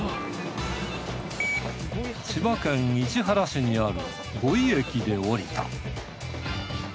千葉県市原市にある五井駅で降りた